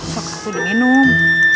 sok sudah minum